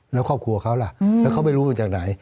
แล้วครอบครัวเขาล่ะแล้วเขาไม่รู้มาจากไหน